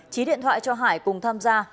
trí điện thoại cho hải cùng tham gia